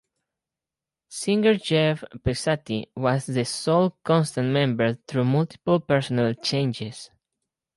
Singer Jeff Pezzati was the sole constant member through multiple personnel changes.